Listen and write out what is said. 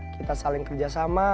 kita saling kerjasama